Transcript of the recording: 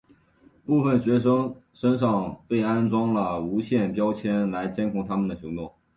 部分学生身上被安装了无线标签来监控他们的行动。